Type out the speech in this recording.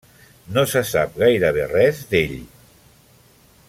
No se sap gairebé res d'ell.